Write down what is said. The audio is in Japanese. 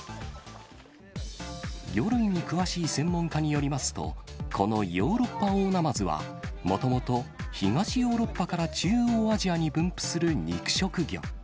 魚類に詳しい専門家によりますと、このヨーロッパオオナマズは、もともと東ヨーロッパから中央アジアに分布する肉食魚。